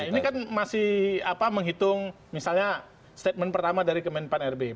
ini kan masih menghitung misalnya statement pertama dari kementerian pancasila bersama